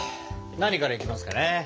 何からいきますかね？